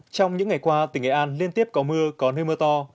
trong những ngày qua tỉnh nghệ an liên tiếp có mưa có nơi mưa to